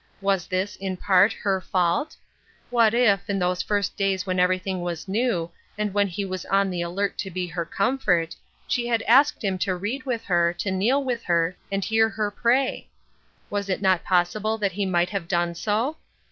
Was this, in part, her fault ? What if, in those first days when everything was new, and when he was on the alert to be her comfort, she had asked him to read with her, to kneel with her, and hear her pray ? Was it not possible that he might have done so?